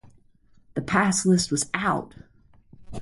The pass list was out!